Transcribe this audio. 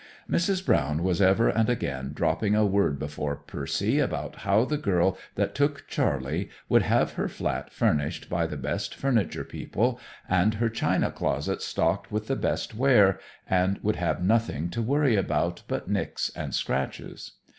Mrs. Brown was ever and again dropping a word before Percy about how the girl that took Charley would have her flat furnished by the best furniture people, and her china closet stocked with the best ware, and would have nothing to worry about but nicks and scratches.